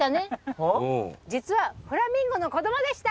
実はフラミンゴの子供でした。